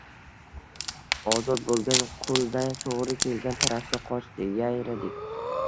ozod bo’lgan qulday to’g’ri kelgan tarafga qochdik – yayradik.